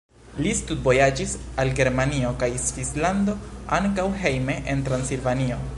Li studvojaĝis al Germanio kaj Svislando, ankaŭ hejme en Transilvanio.